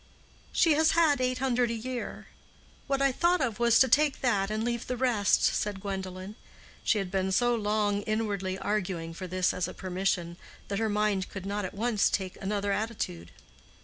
"She has had eight hundred a year. What I thought of was to take that and leave the rest," said Gwendolen. She had been so long inwardly arguing for this as a permission, that her mind could not at once take another attitude.